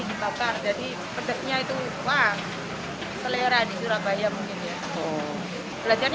anak bisa dibakar jadi pedasnya itu selera di surabaya mungkin ya